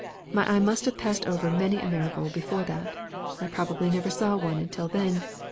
My eye must have passed over many a marigold before that; I probably never saw one until then.